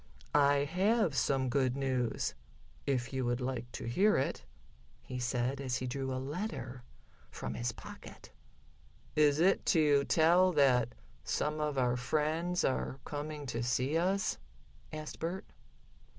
"I have some good news, if you would like to hear it," he said, as he drew a letter from his pocket. "Is it to tell that some of our friends are coming to see us?" asked Bert.